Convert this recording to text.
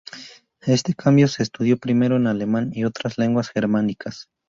Este cambio se estudió primero en alemán y otras lenguas germánicas.